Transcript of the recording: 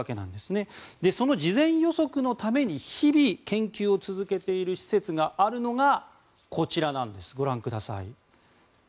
その事前予測のために日々、研究を続けている施設があるのが、こちらなんです。